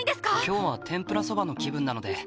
今日は天ぷらそばの気分なので。